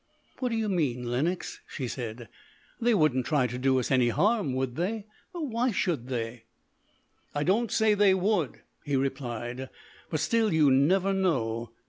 "What do you mean, Lenox?" she said. "They wouldn't try to do us any harm, would they? Why should they?" "I don't say they would," he replied; "but still you never know.